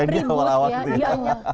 yang di awal awal gitu ya